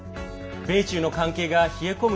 米中の関係が冷え込む